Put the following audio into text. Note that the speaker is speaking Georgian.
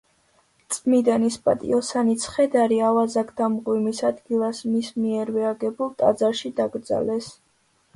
წმიდანის პატიოსანი ცხედარი ავაზაკთა მღვიმის ადგილას მის მიერვე აგებულ ტაძარში დაკრძალეს.